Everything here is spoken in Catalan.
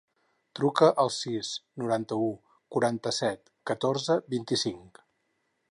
Truca al sis, noranta-u, quaranta-set, catorze, vint-i-cinc.